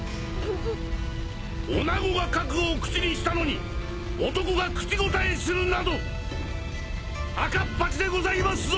おなごが覚悟を口にしたのに男が口答えするなど赤っ恥でございますぞ！